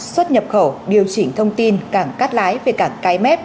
xuất nhập khẩu điều chỉnh thông tin cảng cát lái về cảng cái mép